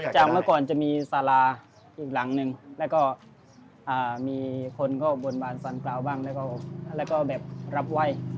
จากเมื่อก่อนจะมีสาราอีกหลังนึงแล้วก็มีคนก็บนบานสารกล่าวบ้างแล้วก็แบบรับไว้